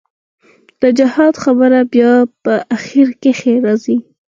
د جهاد خبره بيا په اخر کښې رځي.